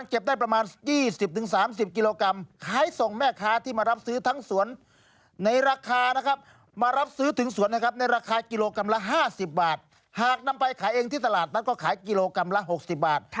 หากนำไปขายเองที่ตลาดนั้นก็ขายกิโลกรัมละ๖๐บาท